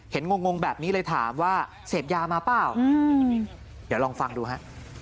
งงแบบนี้เลยถามว่าเสพยามาเปล่าเดี๋ยวลองฟังดูฮะ